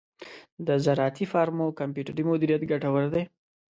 د زراعتی فارمو کمپیوټري مدیریت ګټور دی.